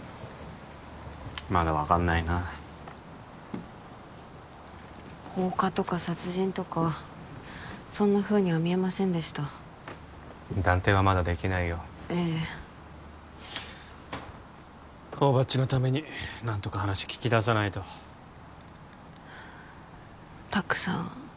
まだ分かんないな放火とか殺人とかそんなふうには見えませんでした断定はまだできないよええ大庭っちのために何とか話聞きださないと拓さん